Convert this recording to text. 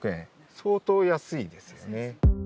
相当安いですよね。